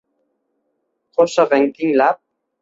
Qo’shig’ing tinglab